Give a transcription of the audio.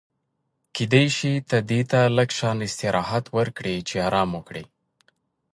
کېدای شي ته دې ته لږ شان استراحت ورکړې چې ارام وکړي.